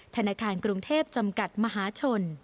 ธนาคารกรุงเทพจำกัดมหาชน